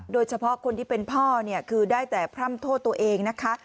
โดยเฉพาะคนที่เป็นพ่อเนี่ยคือได้แต่พร่ำโทษตัวเองนะคะ